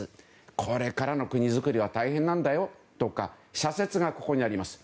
これからの国造りは大変なんだよとか社説がここにあります。